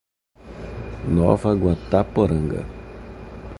Nova Guataporanga